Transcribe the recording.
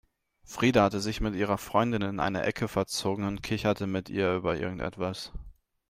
Frida hatte sich mit ihrer Freundin in eine Ecke verzogen und kicherte mit ihr über irgendwas.